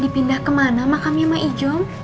dipindah kemana makamnya sama ijom